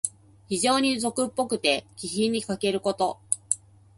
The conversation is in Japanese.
非情に俗っぽくて、気品にかけること。